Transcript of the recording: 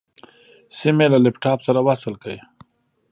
سيم يې له لپټاپ سره وصل کړ.